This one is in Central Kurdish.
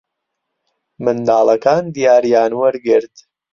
منداڵەکان دیارییان وەرگرت.